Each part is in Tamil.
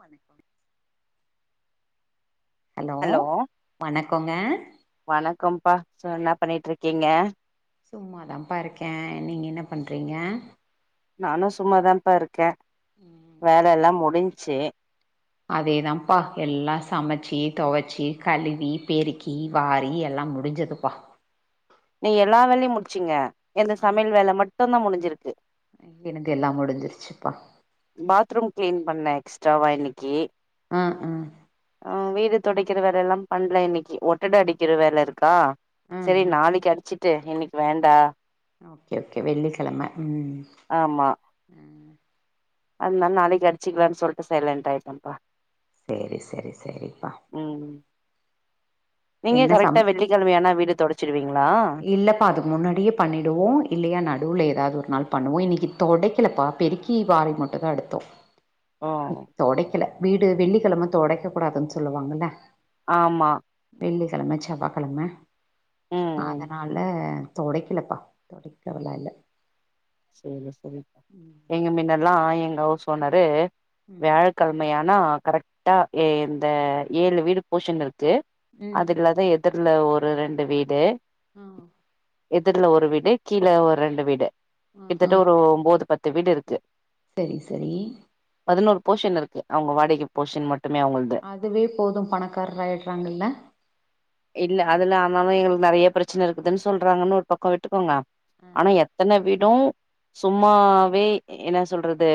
வணக்கோங்க ஹலோ வணக்கோங்க வணக்கம்ப்பா சோ என்ன பண்ணிட்ருக்கீங்க சும்மாதாம்ப்பா இருக்க நீங்க என்ன பண்றீங்க நானு சும்மாதாம்பா‌ இருக்க வேலயெல்லா முடிஞ்ச்சு அதேதாம்ப்பா எல்லா சமச்சு தொவச்சி கழுவி பெருக்கி வாரி எல்லா முடிஞ்துப்பா நீங்க எல்லாவேலையு முடிச்சிங்க எந்து சமையல் வேல மட்டுந்தா முடிஞ்சிருக்கு இங்கினுது எல்லாம் முடிஞ்சிருச்சுப்பா பாத்ரூம் கிளீன் பண்ண எக்ஸ்ட்ராவா இன்னக்கு ஆ அ ஆ வீடு தொடக்கிற வேலயெல்லா பண்ணல இன்னைக்கு ஒட்டட அடிக்கிற வேல இருக்கா ஆ செரி ஆ நாளைக்கு அடிச்சிட்டு இன்னிக் வேண்டா ஓக்கே ஓக்கே வெள்ளிக்கிழமை உம் ஆமா அதனால நாளைக்கு அடிச்சிக்கலான்னு சொல்ட்டு சைலண்ட் ஆயிட்டம்ப்பா செரி செரி செரிப்பா ம் நீங்க கரெக்டா வெள்ளிக்கெழமயானா வீடு தொடச்சிருவீங்ளா இல்லப்பா அதுக்கு முன்னாடியே பண்ணிடுவோ இல்லையா நடுல ஏதாவது ஒரு நாள் பண்ணுவோ இன்னைக்கு தொடைக்கலப்பா பெருக்கி கி வாறிமுட்டுதா எடுத்தோ ஆ தொடடைக்குல வீடு வெள்ளிக்கெழம தொடக்க கூடாதுன் சொல்லுவாங்கல்ல ஆம்மா வெள்ளிக்கெளம செவ்வாகெழம ம் ம் அதனால தொடைக்கிலப்பா தொடைக்கவல இல்ல சேரு செரிப்பா ம் எங்க மின்னல்லா எங்க ஹவுஸ்ஒனரு ம் வியாழக் கழ்மையானா கரெக்டா ஏ இந்த ஏழுவீடு போஷ்ஷன் இருக்கு ம் அதுஇல்லாதா எதிர்ல ஒரு ரெண்டு வீடு அ எதுர்ல ஒரு வீடு கீழ ஒர் ரெண்டு வீடு ஆ ஆ கிட்டத்தட்ட ஒரு ஒம்போது பத்து வீடுருக்கு செரி செரி பதினொரு போஷன் இருக்கு அவுங்க வாடகி போஷன் மட்டுமே அவுங்கள்து அதுவே போது பணக்கார் ஆயிட்றாங்கல்ல இல்ல அதுலா ஆனாலு எங்குளுக்கு நெறய பிரச்சன இருக்குதுன்னு சொல்றாங்கன்னு ஒரு பக்கொ விட்டுக்கோங்க ஆ ஆனா எத்தன வீடூ சும்மாவே என்னா சொல்றது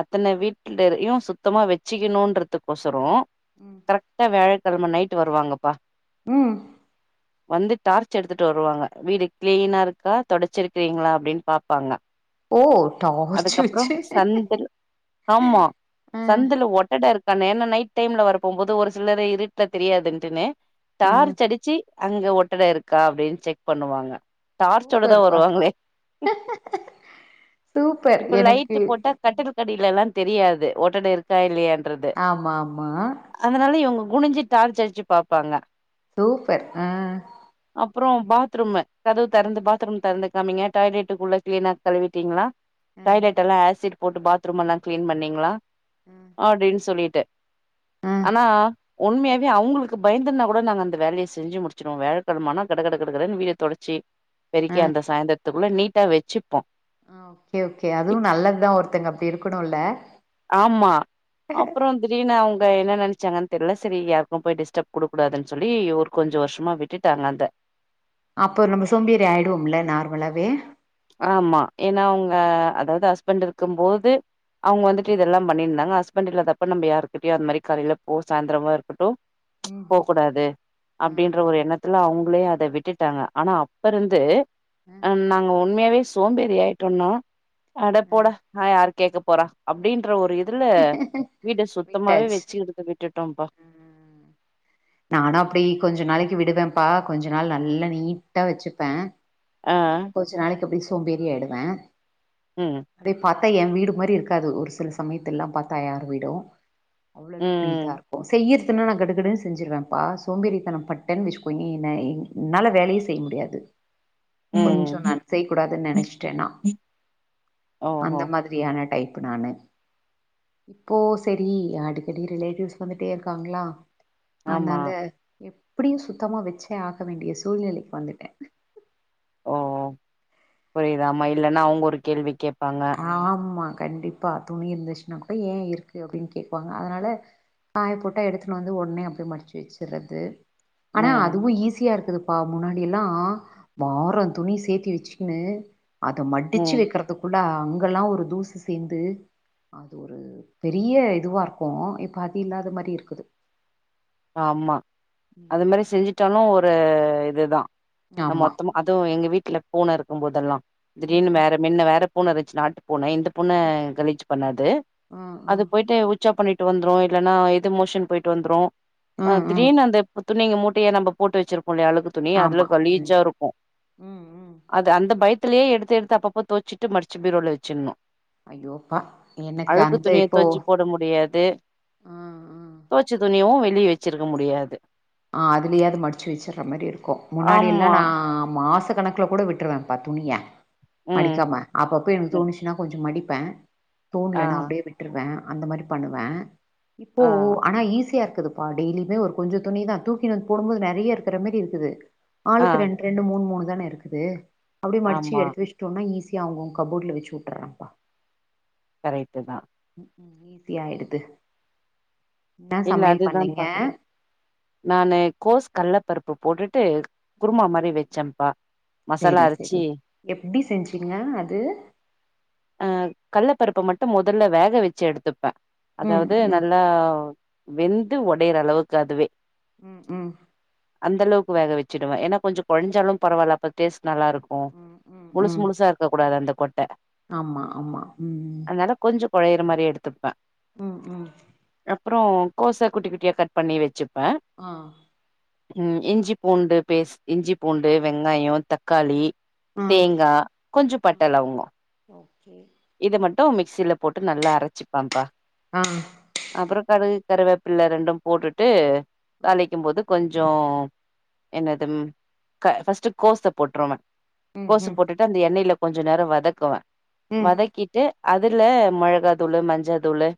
அத்தன வீட்டுலர்யு சுத்தமா வச்சுக்கிணுன்றதுக்கொசரொ ம் கர்டா வியழக்கெழம நைட்டு வருவாங்கப்பா ம் வந்து டார்ச் எடுத்துட்டு வருவாங்க வீடு கிளீனாருக்கா தொடச்சிருக்கிறீங்களா அப்டின் பாப்பாங்க ஓ டார்ச் அதுக்கப்பற வச்சு சந்தில் ஆம்மா ஆ சந்துல ஒட்டட இருக் கண்ணு ஏன்னா நைட் டைம்ல வரப்போம்போது ஒரு சிலரெ இருட்ல தெரியாதுன்ட்டுன்னு ஆ டார்ச் அடுச்சு அங்க ஒட்டட இருக்கா அப்டின் செக் பண்ணுவாங்க டார்ச்சோட தா சூப்பர்ப்பா வருவாங்களே சூப்பர் எனக்கு கட்டிலுக் அடிலல்லா தெரியாது ஒட்டடருக்கா இல்லயான்றது ஆமா ஆமா அதுனால இவுங்க குனிஞ்சு டார்ச் அடிச்சு பாப்பாங்க சூப்பர் அ அப்பற பாத்ரூமு கதவு ஆ தெறந்து பாத்ரூமு தெறந்து காமிங்க டாய்லேட்டுக்குள்ள கிளீனா கழுவிட்டீங்களா ஆ டாய்லேட்ல்லா ஆசிட் போட்டு பாத்ரூம் எல்லா கிளீன் பண்ணீங்களா அப்டின் சொல்லிட்டு ஆ அனா உண்மையாவே அவுங்குளுக்கு பயந்துன் னா கூட நாங்க அந்த வேலய செஞ்சு முடிச்சிருவோ வியாழகெழம ஆனா கட கட கடன் வீட தொடச்சு பெருக்கி ஆ அந்த சாந்தர்த்துக்குள்ள நீட்டா வெச்சுப்பொ ஆ ஓக்கே ஓக்கே அதுவு நல்லத்தா ஒருத்தங்க அப்டி இருக்குணுல்ல ஆமா அப்றோ திடீர்னு அவுங்க என்ன நெனச்சாங்கனு தெர்ல செரி யாருக்கு போய் டிஸ்டப் கூடுக்க கூடாதுன்னு சொல்லி ஒரு கொஞ்ச வர்ஷமா விட்டுட்டாங்க அந்த அப்போ நம்ம சோம்பேறி ஆய்டுவோமில்ல நார்மலாவே ஆமா ஏனா அவுங்க அதாவது ஹஸ்பண்ட் இருக்கும்போது அவுங்க வந்துட் பண்ணிந்தாங்க ஹஸ்பண்ட் இல்லாதப்ப நம்ம யாருக்கிட்டயா அந்தமாரி காலேல போ சாந்திரமா இருக்கட்டு ம் ம் போகூடாது ஆ அப்டின்ற ஒரு என்னத் து அவுங்களே அத விட்டுட்டாங்க ஆனா அப்ப இருந்து ஆ நாங்க உண்மயாவே சு சோம்பேறி ஆயிட்டோன்னா அட ஆ போட ஆ யாரு கேக்க போற அப்டின்ற ஒரு இது க்குல வீட சுத்தமாவே விட்டாச்சு வச்சி [unintelligible] உட்டுட்டோம்ப்பா நானா அப்டி கொஞ்ச நாளைக்கு விடுவேப்பா கொஞ்ச நாள் நல்ல நீட்டா வெச்சுப்பெ ஆ கொஞ்ச நாளைக்கு அப்டி சோம்பேறி ஆய்டுவ ம் அட்டே பாத்தா எ வீடு மாரிருக்காது ஒரு சில சமயத்துல்லா பாத்தா யார் வீடூ அவ்ளோ அளவுக்கு நீட்டா ம் இருக்கு செய்யற்துனா நா கடகடனு செஞ்சுருவப்பா சோம்பேறித்தனம் பட்டன்னு வச்சுக்கோய என்ன என் என்னால வேலயே செய்ய முடியாது கொஞ்ச ம் நட் செய்க்கூடாதுன்னு நெனச்டே நா ஓஹோ அந்த மாதிரியான டைப் நானு இப்போ சரி அடிக்கடி ரிலேட்டிவ்ஸ் வந்துட்டே இருக்காங்ளா ஆமா அதனால எப்டியு சுத்தமா வெச்சே ஆக வேண்டிய சூழ்நிலைக்கு வந்துட்ட ஓ புரிதாம இல்லனா அவுங்க ஒரு கேள்வி கேப்பாங்க ஆமா கண்டிப்பா தூணி இருந்துச்சினா கூட ஏ இருக்கு அப்டின்னு கேப்பாங்க அதனால காய போட்டா எடுத்துன்னு வந்து உடனே அப்டி மடிச்சி வச்சறது ஆனா ம் அதுவு ஈஸியா இருக்குது பா முன்னாடி எல்லா வாரோ துணி சேத்தி வச்சிக்கினு அத மடிச்சி ம் வைக்கிறது அடா அங்கெல்லா ஒரு தூசு சேந்து ஆ அது ஒரு பெரிய இதுவா இருக்கு இப்போ அது இல்லாத மாதிரி இருக்குது ஆமா அது ம் மாதிரி செஞ்சுட்டாலு ஒரு இதுதா நம்ம ஆமா மொத்தமா அதுவும் எங்க வீட்ல பூன இருக்கு போதெல்லா ம் திடீர்னு ம் வேற மின்ன வேற பூன இருந்துச்சினாட் பூனை இந்த பூன கழிச் பண்ணாது ம் அது ம் போயிட்டு உச் உச்சா பண்ணிட்டு வந்துரு இல்லன்னா இது மோஷன் போயிட்டு வந்துரு அ ம் ம் திடீர்னு அந்த பு துணிங்க மூட்டைய நம்ம போட்டு வச்சிருப்போ இல்லையா அலுக்கு துணி அதுல ஆமா ம் கலீஜா இருக்கு ம் ம் அது அந்த பயத்துலயே எடுத்து எடுத்து அப்போ தோச்சிட்டு மடிச்சி பீரோல வச்சிரணு ஐயோப்பா எனக்கு அழுக்கு அந்த துணிய இப்போ தொச்சி போட முடியாது ம் ம் தொச்ச துணியவு வெளிய வச்சிருக்க முடியாது ஆ அதுலேயாவது மடிச்சு வச்சற மாரி இருக்கு முன்னாடி எல்லா ஆமா நா மாச கணக் கு கூட விட்ருவப்பா துணிய ம் மடிக்காம அப்பப்ப எனக்கு ம் தோணுச்சினா கொஞ்சம் மடிப்ப ஆ தோண்லனா அப்டியே விட்டுருவஅந்த மாரி பண்ணுவ இப்போ ஆ ஆனா ஈஸியா இருக்குது ஆ டெய்லியுமே ஒரு கொஞ்சோ துணிதா தூக்கி வந்து போடும் போது நறைய இருக்கிற மாரி இருக்குது ஆ ஆளுக்கு ரெண் ரெண்டு மூனு மூனு தான இருக்குது அப்டி மடிச்சி ஆமா எடுத்து வச்சுட்டோனா ஈஸியாக ஆகு கபோர்டுல வச்சு உட்டுற அப்பா கரெக்ட் தா உ உம் ஈசி ஆயிடுது என்ன இல்ல சமையல் அதுதா பண்ணீங்க? பாக்குறே நானு கோஸ் கல்ல பருப்பு போட்டுட்டு குருமா மாதிரி வச்சேப்பா சேரி சேரி எப்டி செஞ்சிங்க அது அ கல்ல பருப்ப மட்டு முதல்ல வேக வச்சி எடுத்துப்ப ம் அதாவது நல்லா ஓகே. வெந்து ஒடையிற அளவுக்கு அதுவே ம் ம். அந்த அளவுக்கு வேக வச்சிடுவே ஏன்னா கொஞ்சொ கொலஞ்சாலு பரவில்ல அப்ப டேஸ்ட் நல்லா இருக்கு ம், ம், முழுசு ம். முழுசு இருக்க கூடாது அந்த கொட்ட ஆமா ஆமா ம் அதனால கொஞ்சொ கொழையிற மாரி எடுத்துப்பே ம் ம் அப்புரோ கோச குட்டி குட்டியா கட் பண்ணி வச்சுப்பே ஆ ம் இஞ்சி பூண்டு பேஸ் இஞ்சி பூண்டு ஆ, வெங்காயொ தக்காளி ஆ. தேங்கா கொஞ்ச பட்டலவங்கொ ஓகே இத மட்டு மிக்சில போட்டு நல்லா அரைச்சிப் பான்ப்பா ஆ அப்புறம் கடுகு கருவேப்பில்ல ரெண்டும் போட்டுட்டு ஆ தாளிக்கும் போது கொஞ்சோ என்னது க ஃபர்ஸ்ட் கோச போட்டுருவ ம், கோசு ம். போட்டுட்டு அந்த எண்ணெல கொஞ்சோ நேரோ வதக்குவ ம், வதக்கிட்டு அதுல மொளகா தூளு மஞ்சள் தூளு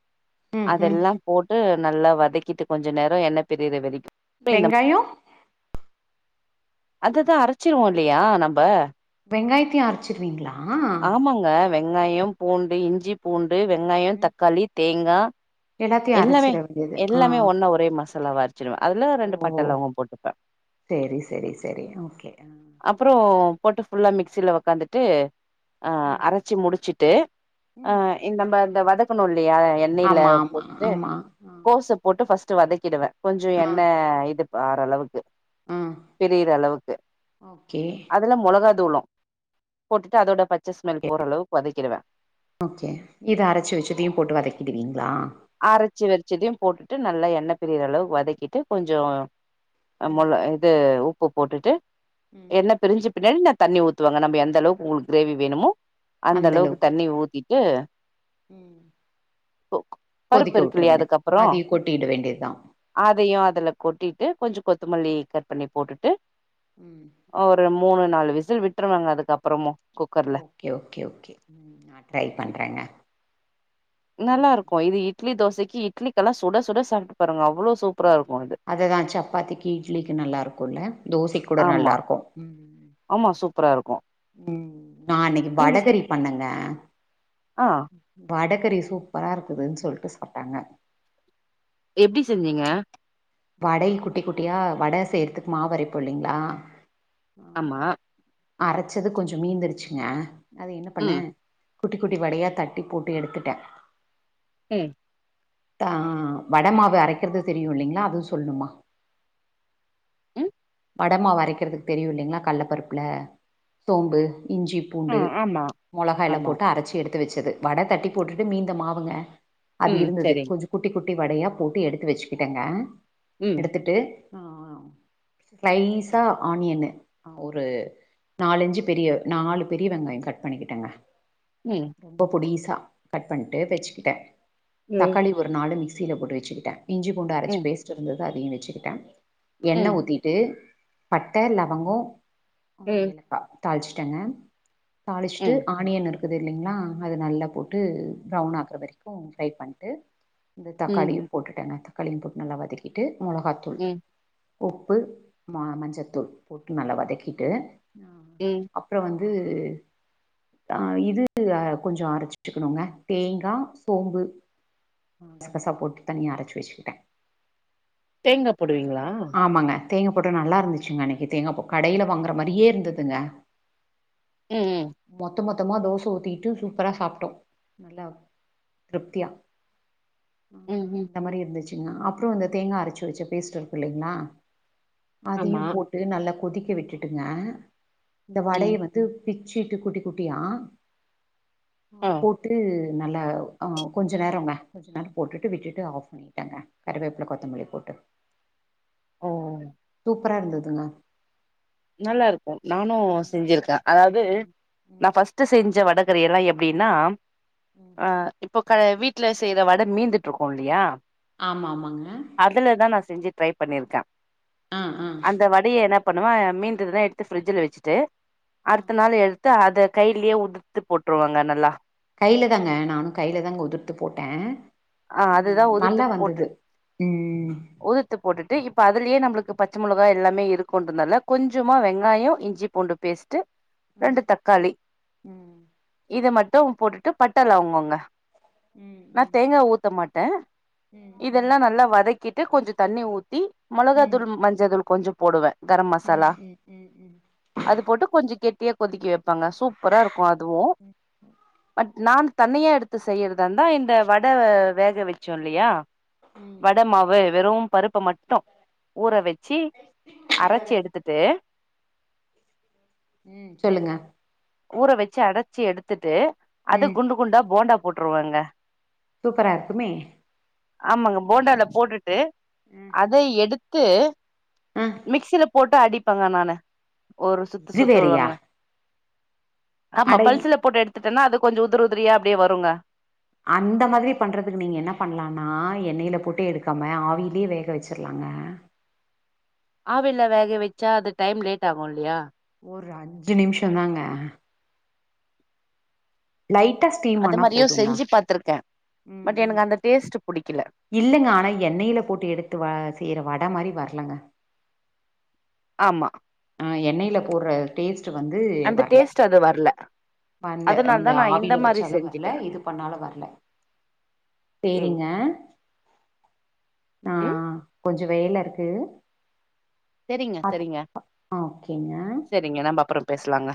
ம், ம். அதெல்லாம் போட்டு நல்லா வதக்கிட்டு கொஞ்ச நேரோ என்ன பிரியுர வரைக்கு வெங்காயோ அததா அரைச்சிருவோ இல்லையா நம்ம வெங்காயத்தயு அரச் ச்சிருவீங்களா ஆமாங்க வெங்காயம் பூண்டு இஞ்சி பூண்டு வெங்காயோ ம் தக்காளி தேங்கா எல்லாத்தையு எல்லாமே அரச்சிட வேண்டியது ஆ எல்லாமே ஒன்னா ஒரே மசாலாவாருக் ச்சிருவே அதுல ஓ ரெண்டு பட்ட லெவங்கோ போட்டுப்பே சேரி சேரி சேரி ஓகே ஆ அப் அப்ரோ போட்டு ஃபுல்லா மிக்சில உக்காந்துட்டு அ ம் அரைச்சு முடிச்சுட்டு அ ம் இந்த நம்ம வதக்கனோல்லயா எண்ணய்யில ஆமா ஆமா போட்டு ஆமா கோஸ்ச போட்டு ஃபர்ஸ்ட் வதக்கிடுவே கொஞ்ச ஆ ஆ என்ன இது ஆற அளவுக்கு ஆ பிரியிற அளவுக்கு ஓகே அதுல மொளகா தூளு போட்டுட்டு அதோட பச்ச ஸ்மெல் போற அளவுக்கு வதக்கிடுவே ஓகே இத அரைச்சி வச்சதையு போட்டு வதக்கிடுவீங்களா அரைச்சு வெச்சதையு போட்டுட்டு நல்லா எண்ணெ பிரியிற அளவுக்கு வதக்கிட்டு கொஞ்சொ ம் மொல்ல இது உப்பு போட்டுட்டு ம் என்னப் பிரிஞ்ச பின்னாடி நா தண்ணி ஊத்துவேங்க நம்ம எந்த அளவுக்கு உங்களுக்கு கிரேவி வேணுமோ அந்த அளவுக்கு தண்ணி ஊத்திட் ஏ ம் ஓ க் கொதிக்க விட்டுற வேண்டியது அதயு கொட்டிட வேண்டியதுதா அதையு அதுல கொட்டிட்டு கொஞ்சொ கொத்தமல்லி கட் பண்ணி போட்டுட்டு ம் ஒரு மூணு நாலு விசில் விட்டுருவங்க அதுக்கப்புறமு குக்கர்ல ஓகே ஓகே ஓகே ம் நா ட்ரை பண்றேங்க நல்லா ஆமா இருக்கு இது இட்லி தோசைக்கு இட்லிக்கெல்லா சுட சுட சாப்ட்டு பாருங்க அவ்ளோ சூப்பரா இருக்கு இது அது தா சப்பாத்திக்கு இட்லிக்கு நல்லா இருக்குல்ல தோசைக்கூட ஆமா நல்லா இருக்கு ம் ஆமா சூப்பரா இருக்கு ம் நா அன்னைக்கு நீங்க சு வடகறி பண்னேங்க ஆ வடகறி சூப்பரா இருக்குதுன்னு சொல்லிட்டு சாப்ட்டாங்க எப்டி செஞ்சீங்க வடை குட்டி குட்டியா வட செய்றதுக்கு மாவரைப்போ இல்லைங்களா ஆமா அரைச்சது கொஞ்ச மீந்துர்ச்சுங்க அது என்ன பண்னே ம் குட்டி குட்டி வடையா தட்டி போட்டு எடுத்துட்டே ம் தா வட மாவு அரைக்குறது தெரியு இல்லைங்களா அதுவு சொல்லணுமா ம் வடமாவு அரைக்கிறதுக்கு தெரியு இல்லைங்களா கல்லப்பருப்புலே சோம்பு இஞ்சிப் ஆ பூண்டு ஆமா மொளகா எல்லா ஆமா போட்டு அரைச்சி எடுத்து வச்சது வடை தட்டி போட்டுட்டு மீந்த மாவுங்க அது ம் இருந்தது சரிங் கொஞ்ச குட்டி குட்டி வடையா போட்டு எடுத்து வச்சுக்கிட்டேங்க ம் எடுத்துட்டு ஷ்லைஸ்ஸா ஆனியன்னு ஒரு நாலஞ்சு பெரிய நாலு பெரிய வெங்காய கட் பண்ணிக்கிட்டேங்க ம் ரொம்ப பொடிசா கட் பண்ட்டு வச்சுக்கிட்டே ம் தக்காளி ஒரு நாளு மிக்சியில போட்டு வச்சுக்கிட்டே இஞ்சி பூண்டு அரைச்சி ம் பேஸ்ட் இருந்து அதையு வச்சுக்கிட்டே எண்ணெ ம் ஊத்தி ட்டு பட்ட லவங்கோ ம் ஏலக்கா தாளிச்சுட்டேங்க தாளிச்சுட்டு ம் ஆனியன் இருக் குது இல்லைங்களா அது நல்லா போட்டு ப்ரவுன் ஆகுற வரைக்கு ஃப்ரை பண்ட்டு இந்த ம் தக்காளியு போட்டுட்டேங்க தக்காளியு போட்டு நல்லா வதக்கிட்டு மொளகாதூ ம் உப்பு மா மஞ்சத்தூள் போட்டு நல்லா வதக்கிட்டு ம் அப்புறோ வந்து அ இது கொஞ்சோ அரச்சுசசுக்குணுங்க தேங்கா சோம்பு கசகசா போட்டு தனியா அரச்சு வெச்சுக்கிட்ட தேங்கா போடுவீங்களா ஆமாங்க தேங்கா போட்டு நல்லா இருந்துச்சுங்க அன்னக்கி தேங்கா போ கடையில வாங்கற மாரியே இருந்துதுங்க ம்ம் மொத்த மொத்தமா தோச ஊத்திகிட்டு சூப்பரா சாப்ட்டோ நல்லா திருப்தியா ம் ம் ந்த மாரி இருந்துச்சுனா அப்றோ அந்த தேங்கா அரச்சு வச்ச பேஸ்ட் இருக்கு இல்லைங்களா அதயு ஆமா போ ட்டு நல்லா கொதிக்க விட்டுட்டுங்க இந்த வடய ம் வந்து ந்து பிச்சுட்டு குட்ட குட்டியா ஆ போட் ட்டு நல்லா ஆ கொஞ்ச நேரோங்க கொஞ்ச நேரோ போட்டுட்டு விட்டுட்டு ஆஃப் பண்ணிடங்க கருவேப்ல கொத்தமல்லி போட்டு ஓ சூப்பரா இருந்ததுங்க நல்லாருக்கு நானு ம், செஞ்சிருக்க அதாது ம், நா ம், ஃபர்ஸ்ட்டு செஞ்ச வடகரியெல்லா எப்டின்னா ம். ஆ இப்போ க வீட்ல செய்யற வட மீந்துட்டு இருக்கு இல்லயா ஆம ஆமாங்க அதுல தா நா செஞ்சு ட்ரை பண்ணிருக்க ஆ ஆ அந்த வடைய என்ன பண்ணுவ மீந்திருந்தா எடுத்து ஃபிரிட்ஜூல வெச்சுட்டு ஆ அடுத்த நாள் எ முத்த அத கையிலயே உதுத்து போட்ருவாங்க நல்லா கையில தாங்க நானு கையில தாங்க உதிர்த்து போட்ட ஆ அதுதா ஆமா உதுத்து நல்லா போட்டு வந்துது ம் உதுத்து போட்டுட்டு இப்ப அதுலயே நம்ளுக்கு பச்சமொளகா எல்லாமே இருக்குன்றனால கொஞ்சமா வெங்காயோ இஞ்சி பூண்டு பேஸ்ட்டு ம் ரெண்டு தக்காளி ம் இத மட்டு போட்டுட்டு பட்ட லவங்கோங்க ம் நா ம் தேங்கா ஊத்த மாட்ட ம் ம் இதெல்லா நல்லா வதக் கிட்டு கொஞ்சோ தண்ணி ஊத்தி ம் மொளகாதூள் மஞ்சதூள் கொஞ்சோ போடுவ கரம் ம் மசாலா ம் ம் ம் அது போட்டு கொஞ்சோ கெட்டிய கொதிக்க வைப்பாங்க சூப்பரா இருக்கு அதுவு ம் பட் நா தனியா எடுத்து செய்யறத்ருந்தா இந்த வடை வேக வச்சோ இல்லயா ம் வட மாவு வெறு பருப்பு மட் டு ஊற வெச்சி அரச்சு எடுத்துட்டு ம் சொல்லுங்க ஊற வெச்சு அரச்சு எடுத்துட்டு அத ம் குண்டு குண்டா போண்டா போட்ருவாங்க சூப்பரா இருக்குமே ஆமாங்க போண்டால போட்டுட்டு ம் அத எடுத்து ஆ மிக்சில போட்டு அடிப்பாங்க நானு ஒரு சுத்து இது சுத்த வேறயா விடுவாங்க ஆமா அட பல்சுல போட்டு எடுத்துட்டானா அது கொஞ்சோ உதிரி உதிரியா அப்டியே வருங்க அந்த மாரி பண்ணுறதுக்கு நீங்க என்ன பண்ணலான்னா எண்ணெயில போட்டு எடுக்காம ஆவிலயே வேக வச்சிடலாங்க ஆவில வேக வச்சா அது டைம் லேட் ஆகு இல்லயா ஒரு அஞ்சு நிம்ஷோதாங்க லைட்ட ஸ்டீ அது மாரியு செஞ்சு பாத்துருக்க ம் பட் ம் எனக்கு அந்த டேஸ்ட் புடிக்கல இல்லங்க ஆனா எண்ணெயில போட்டு எடுத்து வ செய்யற வட மாரி வரலங்க ஆமா ஆ எண்ணெயில போடுற டேஸ்ட்டு வந்து அந்த வரல டேஸ்ட் அது வரல வந்து அதனால தா அந்து நா இந்த ஆவியில மாரி வச்சாலு வரல செஞ்சுட்டே இது பண்ணாலும் வரல ம் சேரிங்க ம் ஆஹ் கொஞ்ச வேல இருக்கு சேரிங்க சேரிங்க ஓகேங்க சேரிங்க நம்ம அப்புற பேசலாங்க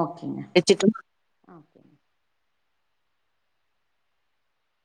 ஓகேங்க [unintelligible] ஒகேங்க